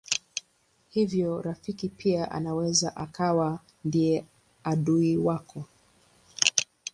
Hivyo rafiki pia anaweza akawa ndiye adui wako.